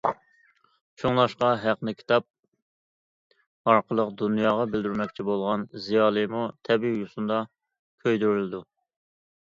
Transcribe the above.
شۇڭلاشقا، ھەقنى كىتاب ئارقىلىق دۇنياغا بىلدۈرمەكچى بولغان زىيالىيمۇ تەبىئىي يوسۇندا كۆيدۈرۈلىدۇ.